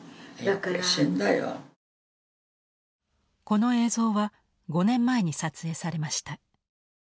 この映像は５年前に撮影されました。